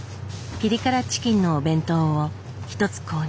ピリ辛チキンのお弁当を一つ購入。